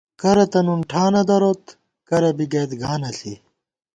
کرہ تہ نُن ٹھانہ دروت ، کرہ بی گئیت گانہ ݪی